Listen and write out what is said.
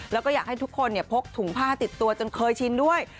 แล้วก็อยากให้ทุกคนพกถุงผ้าติดตัวจนเคยชินด้วย